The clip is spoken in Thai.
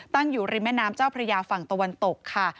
ตั้งอยู่ริมแม่น้ำเจ้าพระยาฝั่งตะวันตกค่ะ